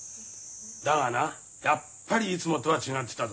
だがなやっぱりいつもとは違ってたぞ。